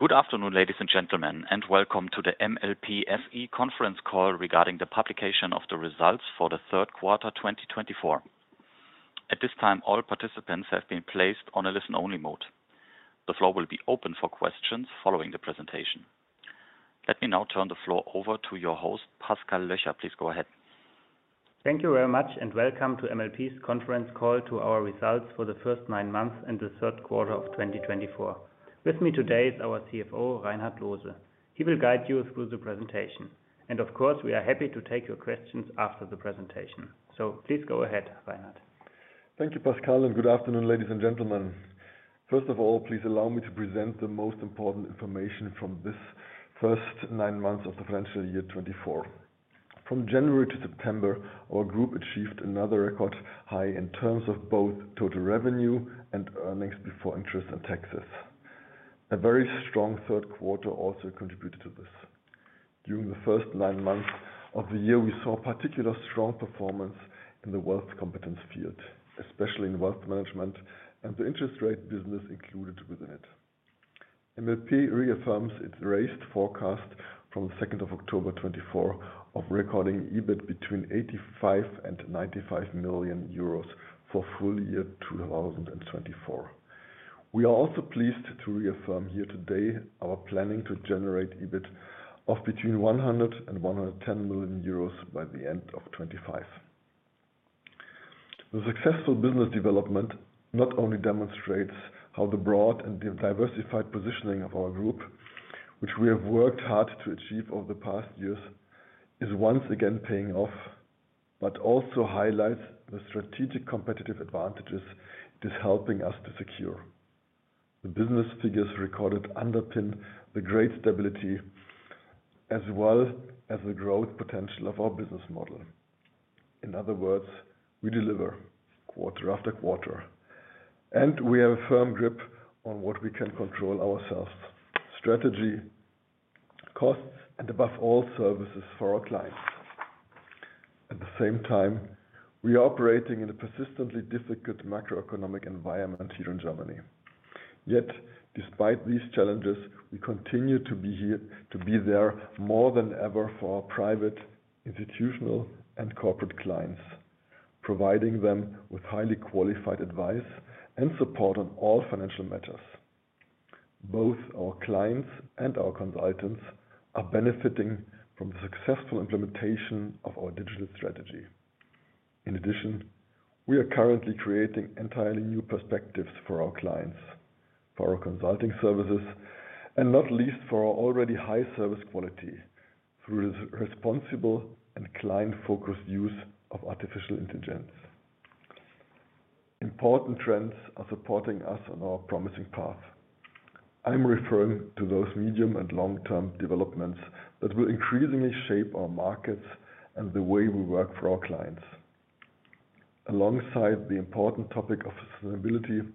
Good afternoon, ladies and gentlemen, and welcome to the MLP SE conference call regarding the publication of the results for the Q3 2024. At this time, all participants have been placed on a listen-only mode. The floor will be open for questions following the presentation. Let me now turn the floor over to your host, Pascal Löcher. Please go ahead. Thank you very much, and welcome to MLP's conference call to our results for the first nine months and the Q3 of 2024. With me today is our CFO, Reinhard Loose. He will guide you through the presentation. And of course, we are happy to take your questions after the presentation. So please go ahead, Reinhard. Thank you, Pascal, and good afternoon, ladies and gentlemen. First of all, please allow me to present the most important information from this first nine months of the financial year 2024. From January to September, our group achieved another record high in terms of both total revenue and earnings before interest and taxes. A very strong Q3 also contributed to this. During the first nine months of the year, we saw particularly strong performance in the wealth competence field, especially in wealth management and the interest rate business included within it. MLP reaffirms its raised forecast from the 2nd of October 2024 of recording EBIT between 85 million and 95 million euros for full year 2024. We are also pleased to reaffirm here today our planning to generate EBIT of between 100 million euros and 110 million euros by the end of 2025. The successful business development not only demonstrates how the broad and diversified positioning of our group, which we have worked hard to achieve over the past years, is once again paying off, but also highlights the strategic competitive advantages it is helping us to secure. The business figures recorded underpin the great stability as well as the growth potential of our business model. In other words, we deliver quarter after quarter, and we have a firm grip on what we can control ourselves: strategy, costs, and above all, services for our clients. At the same time, we are operating in a persistently difficult macroeconomic environment here in Germany. Yet, despite these challenges, we continue to be there more than ever for our private, institutional, and corporate clients, providing them with highly qualified advice and support on all financial matters. Both our clients and our consultants are benefiting from the successful implementation of our digital strategy. In addition, we are currently creating entirely new perspectives for our clients, for our consulting services, and not least for our already high service quality through responsible and client-focused use of artificial intelligence. Important trends are supporting us on our promising path. I'm referring to those medium and long-term developments that will increasingly shape our markets and the way we work for our clients. Alongside the important topic of sustainability,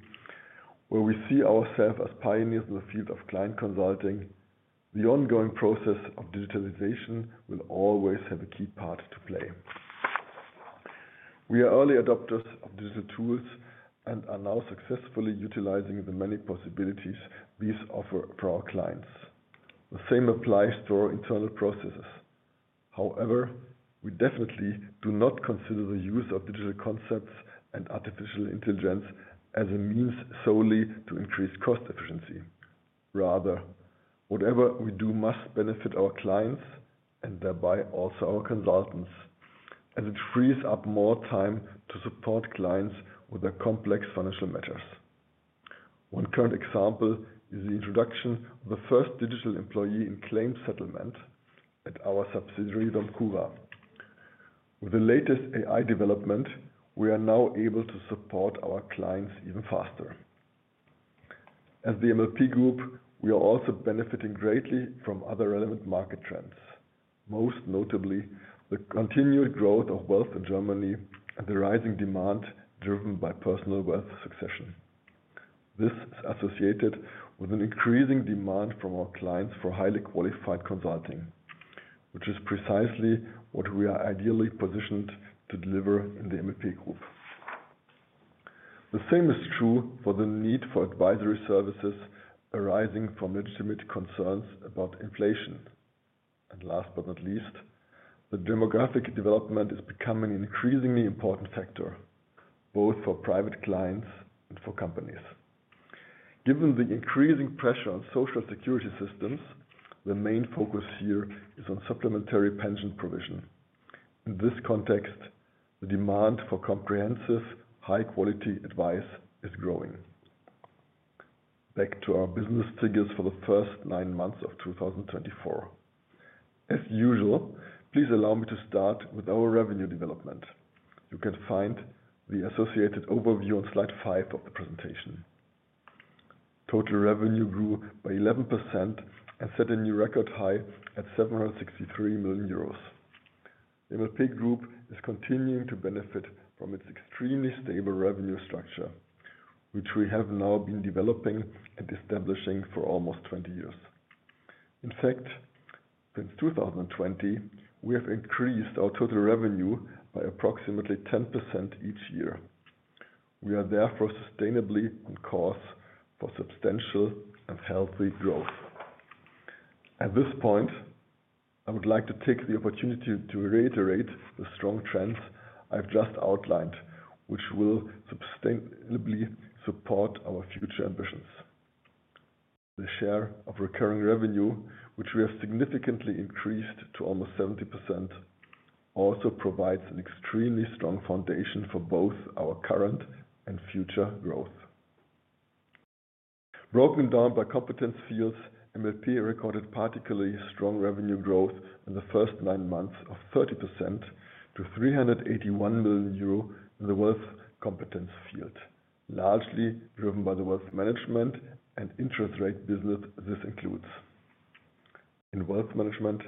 where we see ourselves as pioneers in the field of client consulting, the ongoing process of digitalization will always have a key part to play. We are early adopters of digital tools and are now successfully utilizing the many possibilities these offer for our clients. The same applies to our internal processes. However, we definitely do not consider the use of digital concepts and artificial intelligence as a means solely to increase cost efficiency. Rather, whatever we do must benefit our clients and thereby also our consultants, as it frees up more time to support clients with their complex financial matters. One current example is the introduction of the first digital employee in claims settlement at our subsidiary, DOMCURA. With the latest AI development, we are now able to support our clients even faster. As the MLP Group, we are also benefiting greatly from other relevant market trends, most notably the continued growth of wealth in Germany and the rising demand driven by personal wealth succession. This is associated with an increasing demand from our clients for highly qualified consulting, which is precisely what we are ideally positioned to deliver in the MLP Group. The same is true for the need for advisory services arising from legitimate concerns about inflation. And last but not least, the demographic development is becoming an increasingly important factor, both for private clients and for companies. Given the increasing pressure on social security systems, the main focus here is on supplementary pension provision. In this context, the demand for comprehensive, high-quality advice is growing. Back to our business figures for the first nine months of 2024. As usual, please allow me to start with our revenue development. You can find the associated overview on slide five of the presentation. Total revenue grew by 11% and set a new record high at 763 million euros. The MLP group is continuing to benefit from its extremely stable revenue structure, which we have now been developing and establishing for almost 20 years. In fact, since 2020, we have increased our total revenue by approximately 10% each year. We are therefore sustainably on course for substantial and healthy growth. At this point, I would like to take the opportunity to reiterate the strong trends I've just outlined, which will sustainably support our future ambitions. The share of recurring revenue, which we have significantly increased to almost 70%, also provides an extremely strong foundation for both our current and future growth. Broken down by competence fields, MLP recorded particularly strong revenue growth in the first nine months of 30% to 381 million euro in the wealth competence field, largely driven by the wealth management and interest rate business this includes. In wealth management,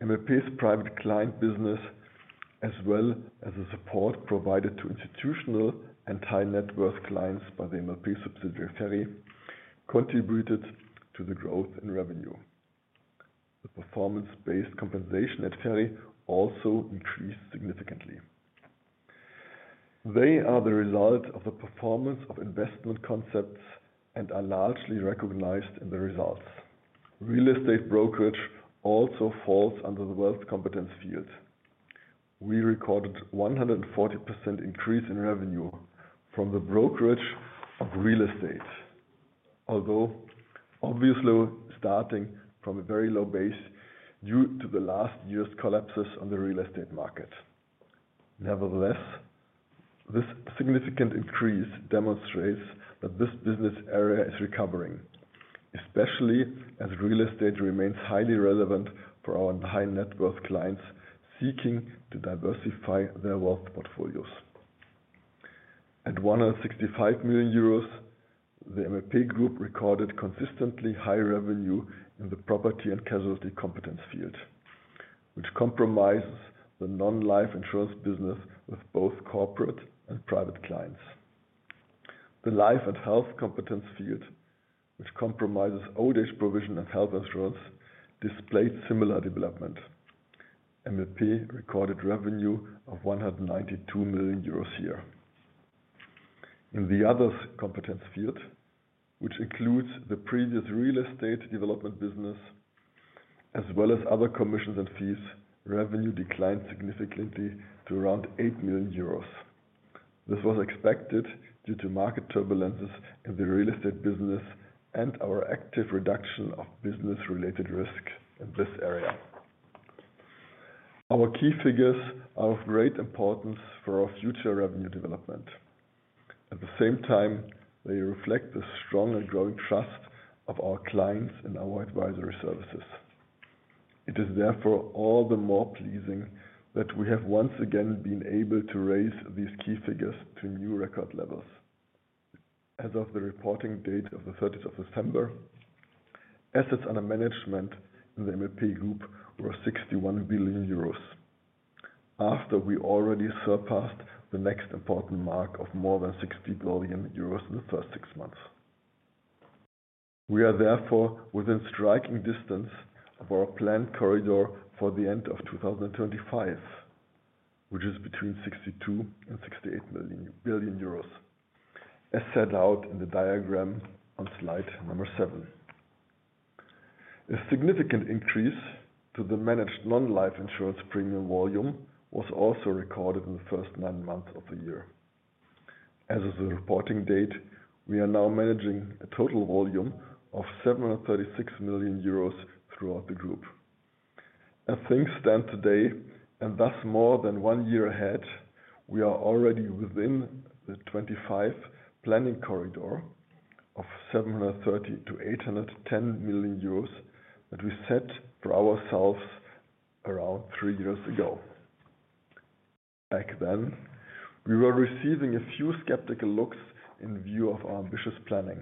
MLP's private client business, as well as the support provided to institutional and high-net-worth clients by the MLP subsidiary, FERI, contributed to the growth in revenue. The performance-based compensation at FERI also increased significantly. They are the result of the performance of investment concepts and are largely recognized in the results. Real estate brokerage also falls under the wealth competence field. We recorded a 140% increase in revenue from the brokerage of real estate, although obviously starting from a very low base due to the last year's collapses on the real estate market. Nevertheless, this significant increase demonstrates that this business area is recovering, especially as real estate remains highly relevant for our high-net-worth clients seeking to diversify their wealth portfolios. At 165 million euros, the MLP Group recorded consistently high revenue in the property and casualty competence field, which comprises the non-life insurance business with both corporate and private clients. The life and health competence field, which comprises old-age provision and health insurance, displayed similar development. MLP recorded revenue of 192 million euros here. In the other competence field, which includes the previous real estate development business, as well as other commissions and fees, revenue declined significantly to around 8 million euros. This was expected due to market turbulences in the real estate business and our active reduction of business-related risk in this area. Our key figures are of great importance for our future revenue development. At the same time, they reflect the strong and growing trust of our clients in our advisory services. It is therefore all the more pleasing that we have once again been able to raise these key figures to new record levels. As of the reporting date of the 30th of December, assets under management in the MLP Group were 61 billion euros, after we already surpassed the next important mark of more than 60 billion euros in the first six months. We are therefore within striking distance of our planned corridor for the end of 2025, which is between 62 billion and 68 billion euros, as set out in the diagram on slide number seven. A significant increase to the managed non-life insurance premium volume was also recorded in the first nine months of the year. As of the reporting date, we are now managing a total volume of 736 million euros throughout the group. As things stand today, and thus more than one year ahead, we are already within the 2025 planning corridor of 730 million to 810 million euros that we set for ourselves around three years ago. Back then, we were receiving a few skeptical looks in view of our ambitious planning.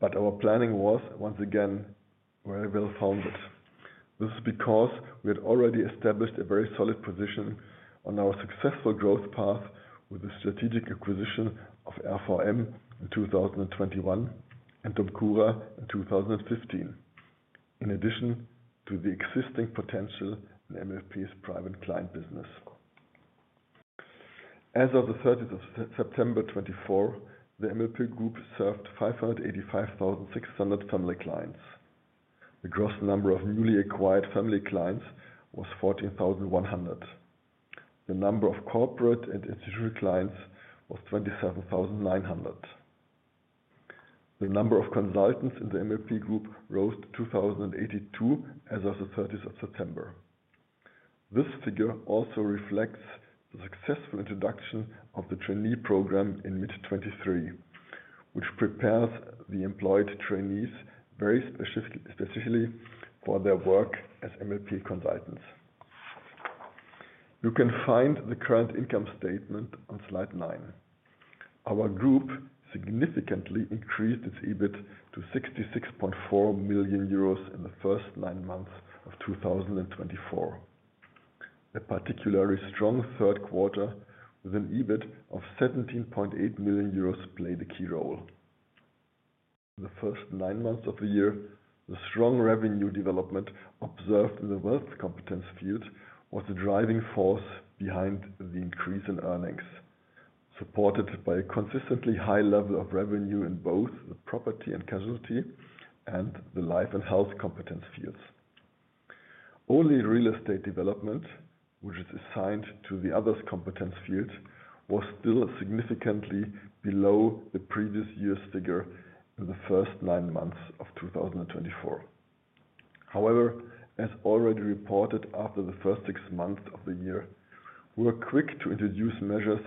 but our planning was, once again, very well-founded. This is because we had already established a very solid position on our successful growth path with the strategic acquisition of RVM in 2021 and DOMCURA in 2015, in addition to the existing potential in MLP's private client business. As of the 30th of September 2024, the MLP Group served 585,600 family clients. The gross number of newly acquired family clients was 14,100. The number of corporate and institutional clients was 27,900. The number of consultants in the MLP Group rose to 2,082 as of the 30th of September. This figure also reflects the successful introduction of the trainee program in mid-2023, which prepares the employed trainees very specifically for their work as MLP consultants. You can find the current income statement on slide nine. Our group significantly increased its EBIT to 66.4 million euros in the first nine months of 2024. A particularly strong Q3 with an EBIT of 17.8 million euros played a key role. In the first nine months of the year, the strong revenue development observed in the wealth competence field was the driving force behind the increase in earnings, supported by a consistently high level of revenue in both the property and casualty and the life and health competence fields. Only real estate development, which is assigned to the others competence field, was still significantly below the previous year's figure in the first nine months of 2024. However, as already reported after the first six months of the year, we were quick to introduce measures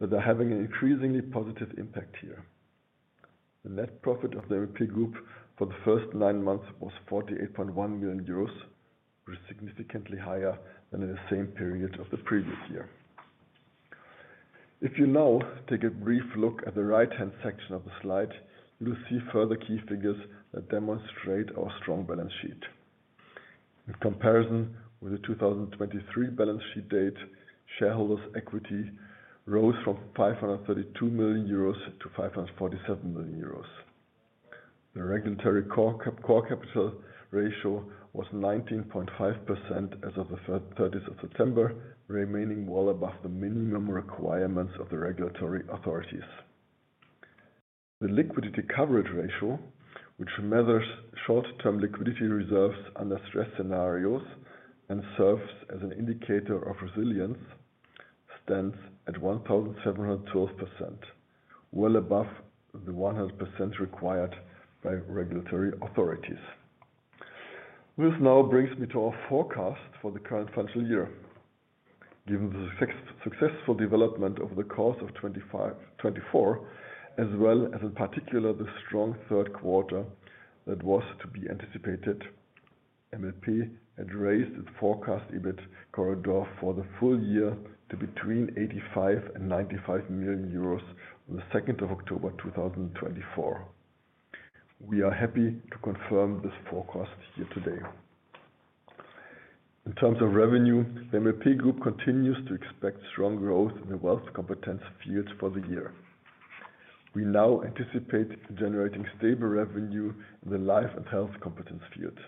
that are having an increasingly positive impact here. The net profit of the MLP group for the first nine months was 48.1 million euros, which is significantly higher than in the same period of the previous year. If you now take a brief look at the right-hand section of the slide, you'll see further key figures that demonstrate our strong balance sheet. In comparison with the 2023 balance sheet date, shareholders' equity rose from 532 million euros to 547 million euros. The regulatory core capital ratio was 19.5% as of the 30th of September, remaining well above the minimum requirements of the regulatory authorities. The liquidity coverage ratio, which measures short-term liquidity reserves under stress scenarios and serves as an indicator of resilience, stands at 1,712%, well above the 100% required by regulatory authorities. This now brings me to our forecast for the current financial year. Given the successful development over the course of 2024, as well as in particular the strong Q3 that was to be anticipated, MLP had raised its forecast EBIT corridor for the full year to between 85 million and 95 million euros on the 2nd of October 2024. We are happy to confirm this forecast here today. In terms of revenue, the MLP Group continues to expect strong growth in the wealth competence field for the year. We now anticipate generating stable revenue in the life and health competence field.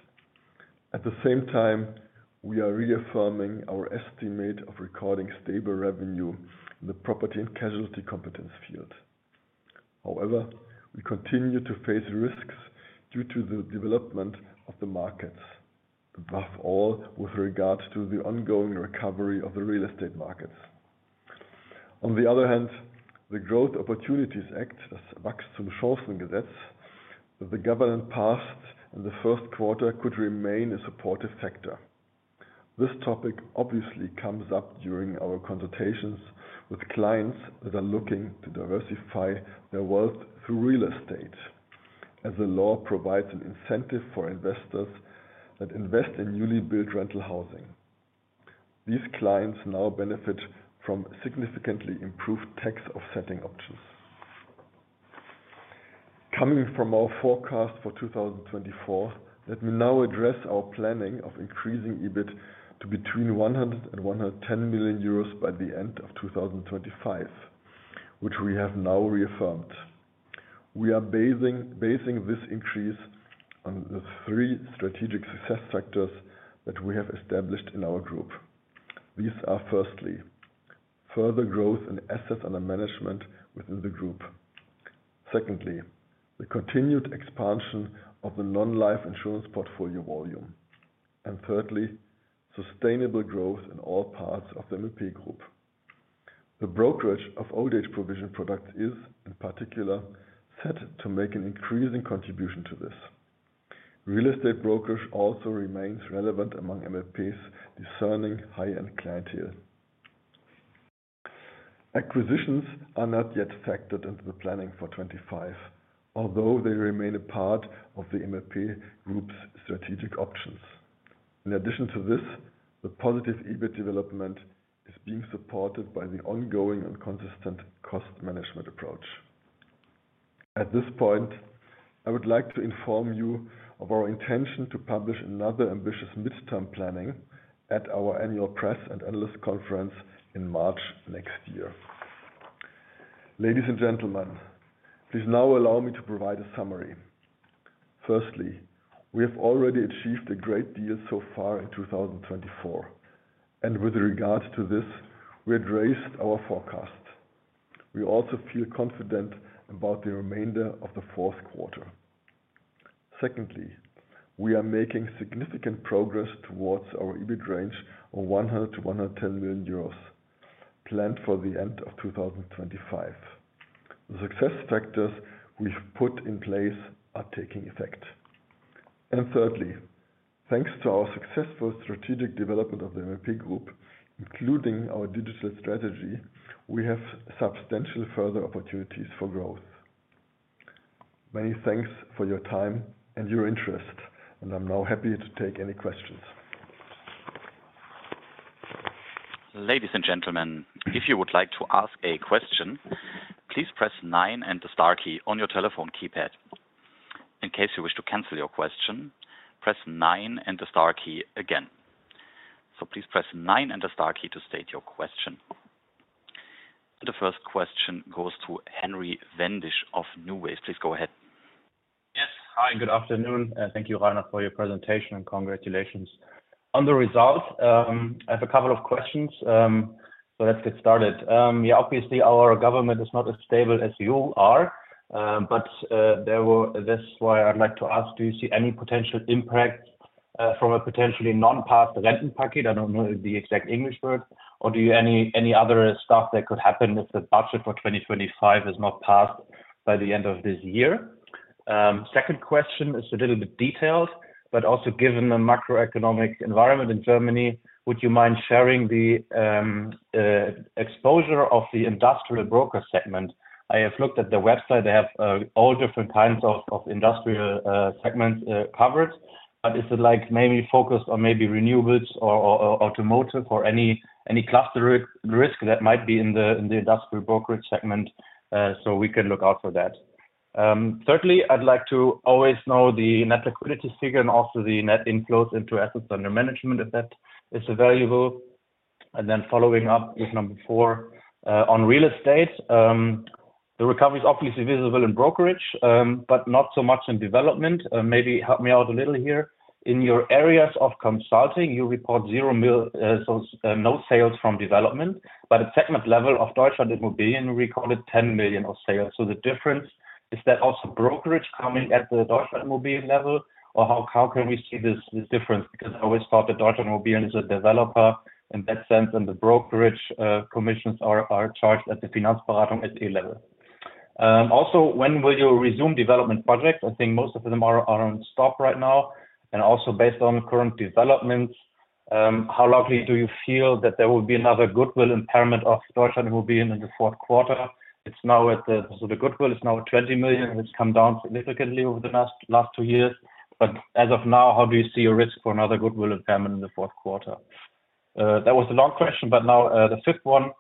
At the same time, we are reaffirming our estimate of recording stable revenue in the property and casualty competence field. However, we continue to face risks due to the development of the markets, above all with regard to the ongoing recovery of the real estate markets. On the other hand, the Growth Opportunities Act, the Wachstumschancengesetz, that the government passed in the Q1 could remain a supportive factor. This topic obviously comes up during our consultations with clients that are looking to diversify their wealth through real estate, as the law provides an incentive for investors that invest in newly built rental housing. These clients now benefit from significantly improved tax offsetting options. Coming from our forecast for 2024, let me now address our planning of increasing EBIT to between 100-110 million euros by the end of 2025, which we have now reaffirmed. We are basing this increase on the three strategic success factors that we have established in our group. These are firstly, further growth in assets under management within the group. Secondly, the continued expansion of the non-life insurance portfolio volume. And thirdly, sustainable growth in all parts of the MLP group. The brokerage of old-age provision products is, in particular, set to make an increasing contribution to this. Real estate brokerage also remains relevant among MLP's discerning high-end clientele. Acquisitions are not yet factored into the planning for 2025, although they remain a part of the MLP group's strategic options. In addition to this, the positive EBIT development is being supported by the ongoing and consistent cost management approach. At this point, I would like to inform you of our intention to publish another ambitious midterm planning at our annual press and analyst conference in March next year. Ladies and gentlemen, please now allow me to provide a summary. Firstly, we have already achieved a great deal so far in 2024, and with regard to this, we had raised our forecast. We also feel confident about the remainder of the Q4. Secondly, we are making significant progress towards our EBIT range of 100-110 million euros planned for the end of 2025. The success factors we've put in place are taking effect. And thirdly, thanks to our successful strategic development of the MLP group, including our digital strategy, we have substantial further opportunities for growth. Many thanks for your time and your interest, and I'm now happy to take any questions. Ladies and gentlemen, if you would like to ask a question, please press nine and the star key on your telephone keypad. In case you wish to cancel your question, press nine and the star key again. So please press nine and the star key to state your question. The first question goes to Henry Wendisch of NuWays. Please go ahead. Yes. Hi, good afternoon. Thank you, Reinhard, for your presentation and congratulations on the result. I have a couple of questions, so let's get started. Yeah, obviously, our government is not as stable as you are, but that's why I'd like to ask, do you see any potential impact from a potentially non-passed renting package? I don't know the exact English word. Or do you have any other stuff that could happen if the budget for 2025 is not passed by the end of this year? Second question is a little bit detailed, but also given the macroeconomic environment in Germany, would you mind sharing the exposure of the industrial broker segment? I have looked at the website. They have all different kinds of industrial segments covered, but is it maybe focused on maybe renewables or automotive or any cluster risk that might be in the industrial brokerage segment? So we can look out for that. Thirdly, I'd like to always know the net liquidity figure and also the net inflows into assets under management, if that is available. And then following up with number four on real estate, the recovery is obviously visible in brokerage, but not so much in development. Maybe help me out a little here. In your areas of consulting, you report no sales from development, but at segment level of Deutschland.Immobilien, we recorded 10 million of sales. So the difference, is that also brokerage coming at the Deutschland.Immobilien level, or how can we see this difference? Because I always thought that Deutschland.Immobilien is a developer in that sense, and the brokerage commissions are charged at the Finanzberatung SE level. Also, when will you resume development projects? I think most of them are on stop right now. And also based on current developments, how likely do you feel that there will be another goodwill impairment of Deutschland.Immobilien in the Q4? So the goodwill is now at 20 million, and it's come down significantly over the last two years. But as of now, how do you see your risk for another goodwill impairment in the Q4? That was the long question, but now the fifth one.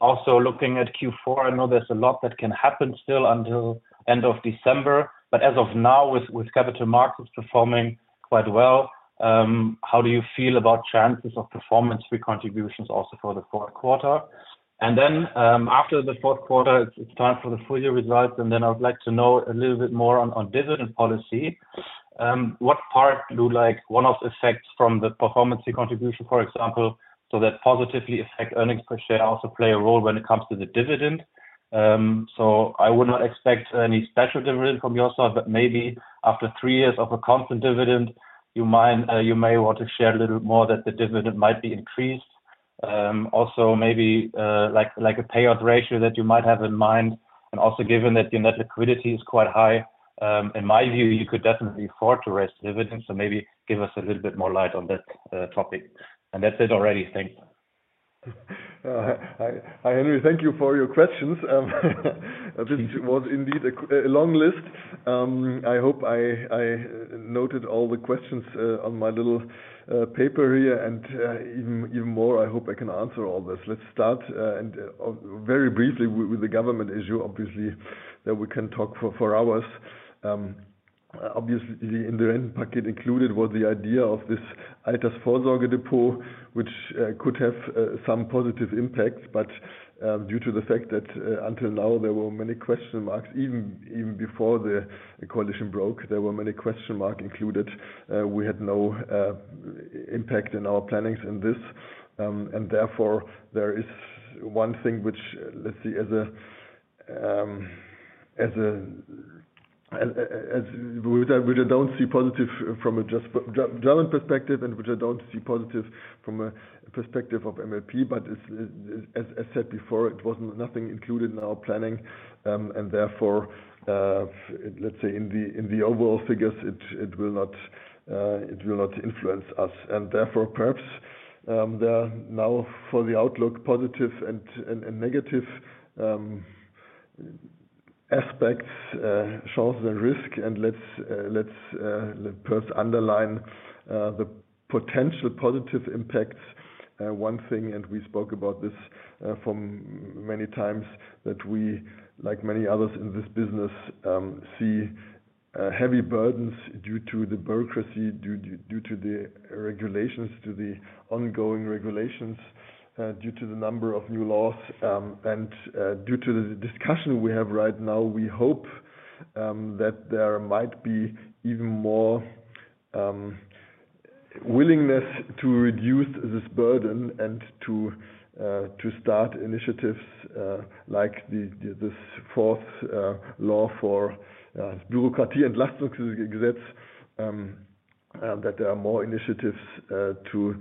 Also looking at Q4, I know there's a lot that can happen still until end of December, but as of now, with capital markets performing quite well, how do you feel about chances of performance re-contributions also for the Q4? And then after the Q4, it's time for the full year results, and then I would like to know a little bit more on dividend policy. What part do one-off effects from the performance fee contribution, for example, so that positively affect earnings per share also play a role when it comes to the dividend? So I would not expect any special dividend from your side, but maybe after three years of a constant dividend, you may want to share a little more, that the dividend might be increased. Also, maybe like a payout ratio that you might have in mind. And also given that your net liquidity is quite high, in my view, you could definitely afford to raise dividends, so maybe give us a little bit more light on that topic. And that's it already. Thanks. Hi, Henry. Thank you for your questions. This was indeed a long list. I hope I noted all the questions on my little paper here, and even more, I hope I can answer all this. Let's start very briefly with the government issue. Obviously, we can talk for hours. Obviously, in the rent packet included was the idea of this Altersvorsorgedepot, which could have some positive impact, but due to the fact that until now, there were many question marks, even before the coalition broke, there were many question marks included. We had no impact in our plannings in this, and therefore, there is one thing which, let's see, as a which I don't see positive from a German perspective and which I don't see positive from a perspective of MLP, but as said before, it was nothing included in our planning. And therefore, let's say in the overall figures, it will not influence us, and therefore, perhaps there now for the outlook, positive and negative aspects, chances and risk, and let's perhaps underline the potential positive impacts. One thing, and we spoke about this many times, that we, like many others in this business, see heavy burdens due to the bureaucracy, due to the regulations, to the ongoing regulations, due to the number of new laws. And due to the discussion we have right now, we hope that there might be even more willingness to reduce this burden and to start initiatives like this fourth law for Bürokratieentlastungsgesetz, that there are more initiatives to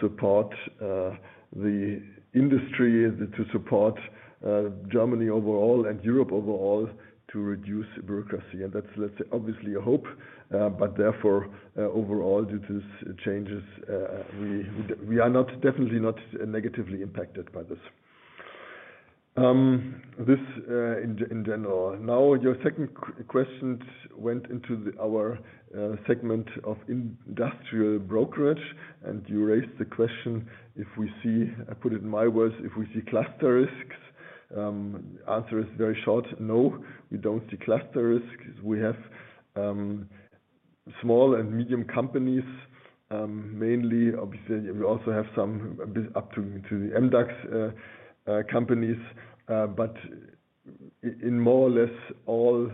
support the industry, to support Germany overall and Europe overall to reduce bureaucracy. And that's, let's say, obviously a hope, but therefore, overall, due to these changes, we are definitely not negatively impacted by this. This in general. Now, your second question went into our segment of industrial brokerage, and you raised the question, if we see, I put it in my words, if we see cluster risks. The answer is very short. No, we don't see cluster risks. We have small and medium companies, mainly. Obviously, we also have some up to the MDAX companies, but in more or less all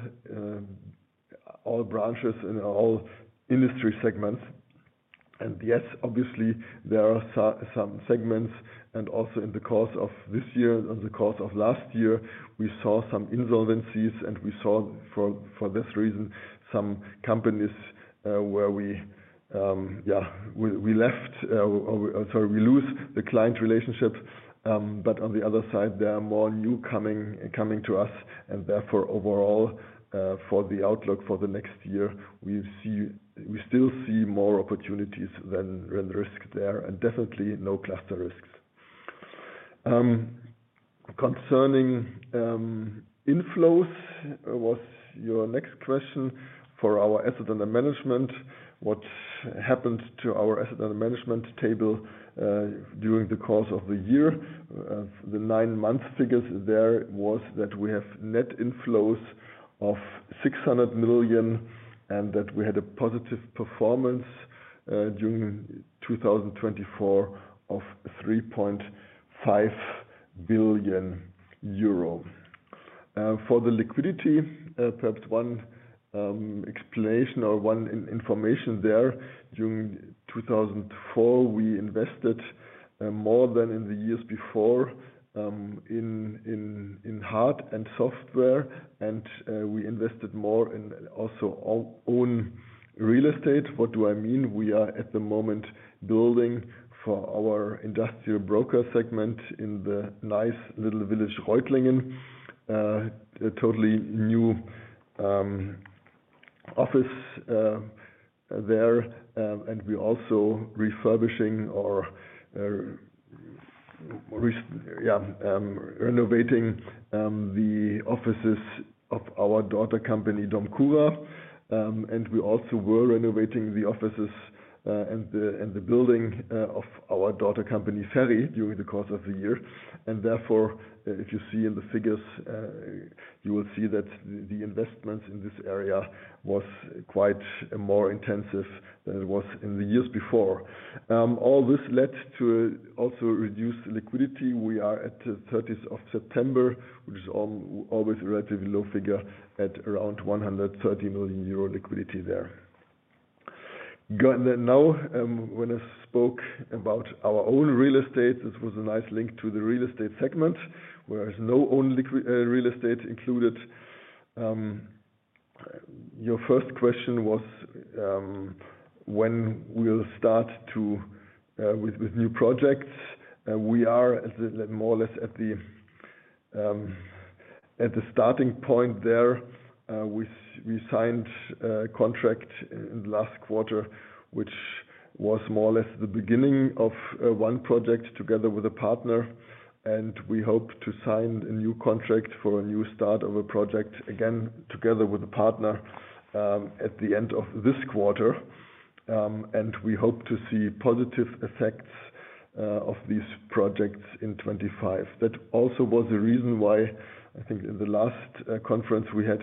branches and all industry segments. And yes, obviously, there are some segments. And also in the course of this year, in the course of last year, we saw some insolvencies, and we saw for this reason some companies where we, we left, sorry, we lose the client relationships. But on the other side, there are more new coming to us, and therefore, overall, for the outlook for the next year, we still see more opportunities than risk there, and definitely no cluster risks. Concerning inflows, what's your next question for our assets under management? What happened to our assets under management table during the course of the year? The nine-month figures there was that we have net inflows of 600 million and that we had a positive performance during 2024 of 3.5 billion euro. For the liquidity, perhaps one explanation or one information there, during 2024, we invested more than in the years before in hardware and software, and we invested more in also own real estate. What do I mean? We are at the moment building for our industrial broker segment in the nice little village Reutlingen, a totally new office there, and we're also refurbishing or, yeah, renovating the offices of our daughter company DOMCURA. And we also were renovating the offices and the building of our daughter company FERI during the course of the year. And therefore, if you see in the figures, you will see that the investments in this area was quite more intensive than it was in the years before. All this led to also reduced liquidity. We are at the 30th of September, which is always a relatively low figure at around 130 million euro liquidity there. Now, when I spoke about our own real estate, this was a nice link to the real estate segment, whereas no own real estate included. Your first question was when we'll start with new projects. We are more or less at the starting point there. We signed a contract in the last quarter, which was more or less the beginning of one project together with a partner, and we hope to sign a new contract for a new start of a project again together with a partner at the end of this quarter, and we hope to see positive effects of these projects in 2025. That also was the reason why I think in the last conference we had,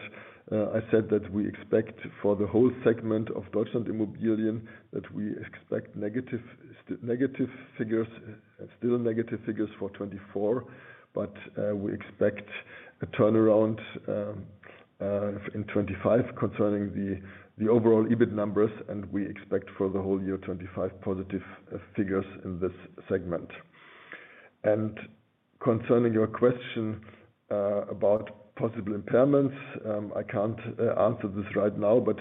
I said that we expect for the whole segment of Deutschland.Immobilien that we expect negative figures, still negative figures for 2024, but we expect a turnaround in 2025 concerning the overall EBIT numbers, and we expect for the whole year 2025 positive figures in this segment. And concerning your question about possible impairments, I can't answer this right now, but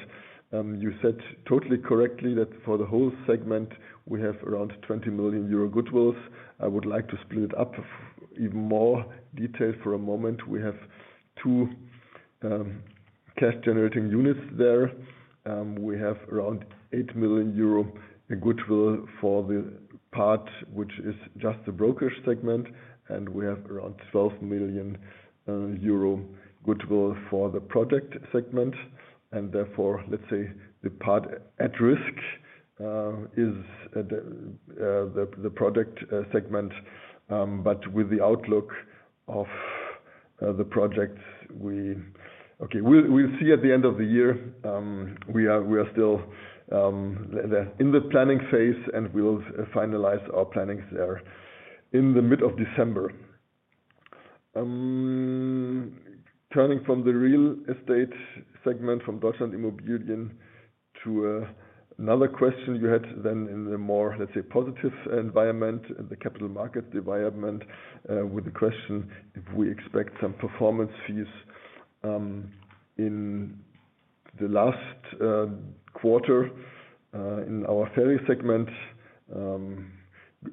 you said totally correctly that for the whole segment, we have around 20 million euro goodwill. I would like to split it up even more detail for a moment. We have two cash-generating units there. We have around 8 million euro goodwill for the part which is just the brokerage segment, and we have around 12 million euro goodwill for the project segment. And therefore, let's say the part at risk is the project segment, but with the outlook of the projects, we okay, we'll see at the end of the year. We are still in the planning phase, and we'll finalize our plannings there in the mid of December. Turning from the real estate segment from Deutschland.Immobilien to another question you had then in the more, let's say, positive environment, the capital markets environment, with the question if we expect some performance fees in the last quarter in our FERI segment.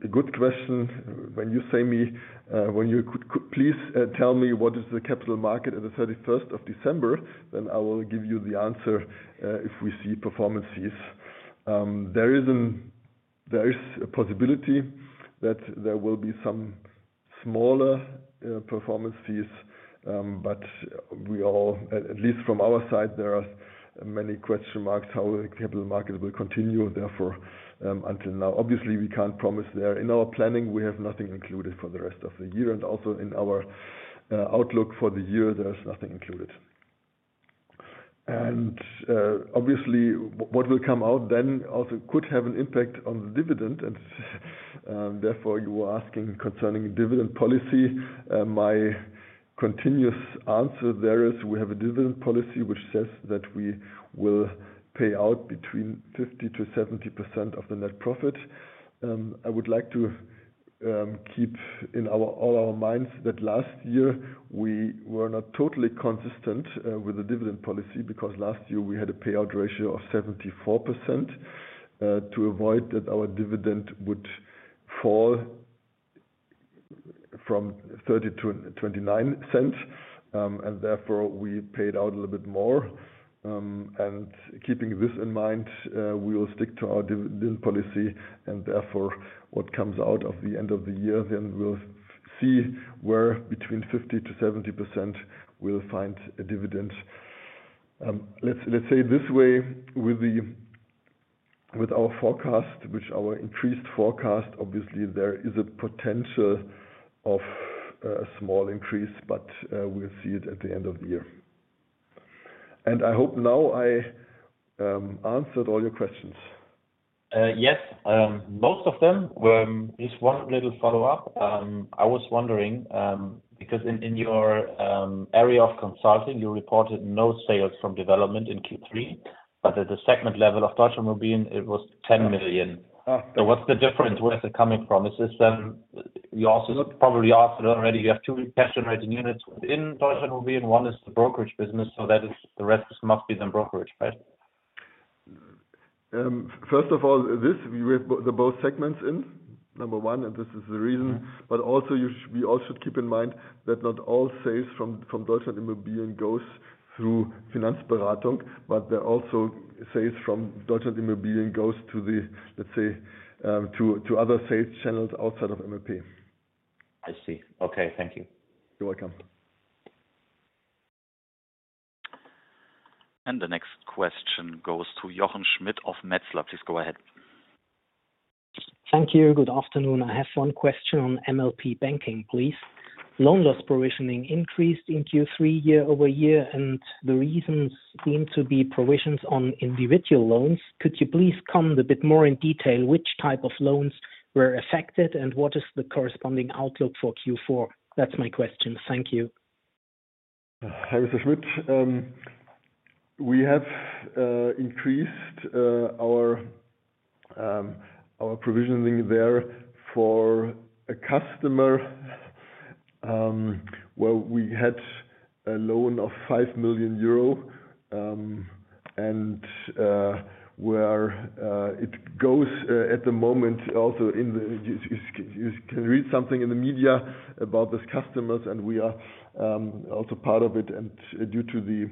Good question. When you say me, when you please tell me what is the capital market on the 31st of December, then I will give you the answer if we see performance fees. There is a possibility that there will be some smaller performance fees, but we all, at least from our side, there are many question marks how the capital market will continue. Therefore, until now, obviously, we can't promise there. In our planning, we have nothing included for the rest of the year, and also in our outlook for the year, there is nothing included, and obviously, what will come out then also could have an impact on the dividend, and therefore, you were asking concerning dividend policy. My continuous answer there is we have a dividend policy which says that we will pay out between 50% to 70% of the net profit. I would like to keep in all our minds that last year we were not totally consistent with the dividend policy because last year we had a payout ratio of 74% to avoid that our dividend would fall from EUR 0.30 to 0.29, and therefore, we paid out a little bit more, and keeping this in mind, we will stick to our dividend policy, and therefore, what comes out of the end of the year, then we'll see where between 50%-70% we'll find a dividend. Let's say it this way with our forecast, which our increased forecast, obviously, there is a potential of a small increase, but we'll see it at the end of the year, and I hope now I answered all your questions. Yes, most of them. Just one little follow-up. I was wondering because in your area of consulting, you reported no sales from development in Q3, but at the segment level of Deutschland.Immobilien, it was 10 million. So what's the difference? Where's it coming from? You also probably asked it already. You have two cash-generating units in Deutschland.Immobilien. One is the brokerage business, so that is the rest must be then brokerage, right? First of all, this, we have both segments in, number one, and this is the reason. But also, we also should keep in mind that not all sales from Deutschland.Immobilien goes through Finanzberatung, but there are also sales from Deutschland.Immobilien goes to the, let's say, to other sales channels outside of MLP. I see. Okay. Thank you. You're welcome. And the next question goes to Jochen Schmidt of Metzler. Please go ahead. Thank you. Good afternoon. I have one question on MLP Banking, please. Loan loss provisioning increased in Q3 year over year, and the reasons seem to be provisions on individual loans. Could you please comment a bit more in detail which type of loans were affected and what is the corresponding outlook for Q4? That's my question. Thank you. Hi Schmidt, we have increased our provisioning there for a customer where we had a loan of 5 million EUR, and where it goes at the moment also in the you can read something in the media about these customers, and we are also part of it. And due to the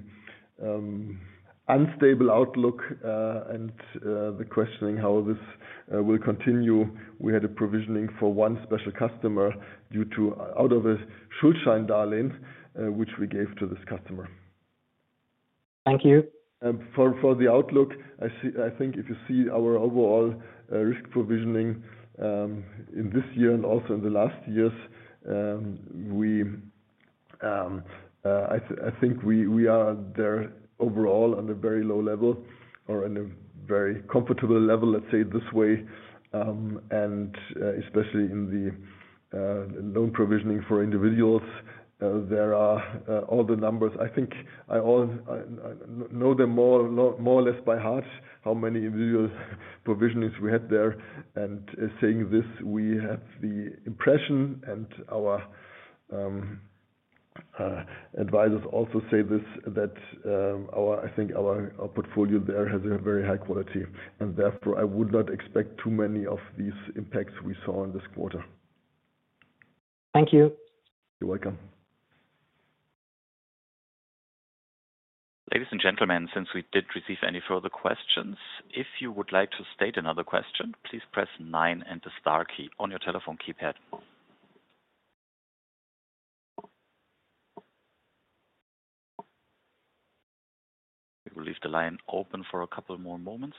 unstable outlook and the questioning how this will continue, we had a provisioning for one special customer out of a Schuldscheindarlehen, which we gave to this customer. Thank you. For the outlook, I think if you see our overall risk provisioning in this year and also in the last years, I think we are there overall on a very low level or on a very comfortable level, let's say it this way. And especially in the loan provisioning for individuals, there are all the numbers. I think I know them more or less by heart how many individual provisionings we had there. And saying this, we have the impression, and our advisors also say this, that I think our portfolio there has a very high quality. And therefore, I would not expect too many of these impacts we saw in this quarter. Thank you. You're welcome. Ladies and gentlemen, since we did receive any further questions, if you would like to state another question, please press 9 and the star key on your telephone keypad. We will leave the line open for a couple more moments.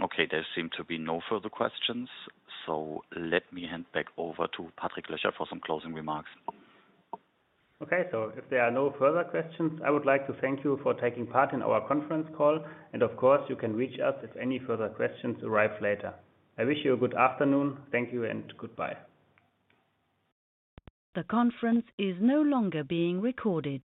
Okay. There seem to be no further questions, so let me hand back over to Pascal Löcher for some closing remarks. Okay. So if there are no further questions, I would like to thank you for taking part in our conference call. And of course, you can reach us if any further questions arrive later. I wish you a good afternoon. Thank you and goodbye. The conference is no longer being recorded.